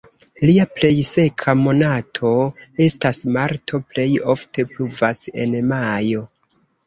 Lia plej seka monato estas marto, plej ofte pluvas en majo.